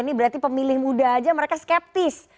ini berarti pemilih muda aja mereka skeptis